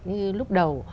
như lúc đầu